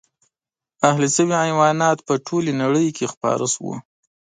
اهلي شوي حیوانات په ټولې نړۍ کې خپاره شول.